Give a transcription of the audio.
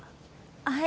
はい。